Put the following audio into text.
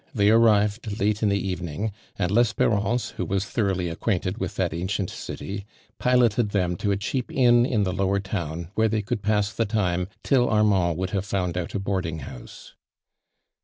They arrived late in the evening, and Lesperance, who was thoroughly acquainted with that ancient city, piloted them to a cheap inn in the lower to^vn where they could pass the time till Armand would have foun<i out a board ing house.